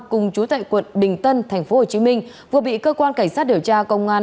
cùng chú tại quận đình tân tp hcm vừa bị cơ quan cảnh sát điều tra công an